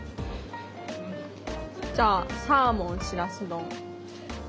じゃあサーモンしらす丼。